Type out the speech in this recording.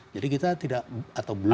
jadi kita tidak atau belum